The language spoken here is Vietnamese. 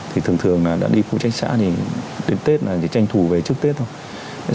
thì thường thường đã đi phụ trách xã thì đến tết là chỉ tranh thủ về trước tết thôi